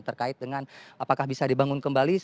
terkait dengan apakah bisa dibangun kembali